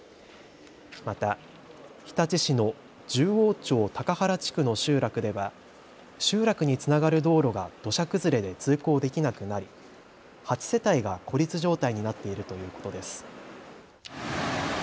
また日立市の十王町高原地区の集落では集落につながる道路が土砂崩れで通行できなくなり８世帯が孤立状態になっているということです。